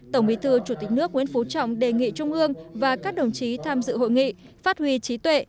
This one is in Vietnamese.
tổng bí thư chủ tịch nước nguyễn phú trọng đề nghị trung ương và các đồng chí tham dự hội nghị phát huy trí tuệ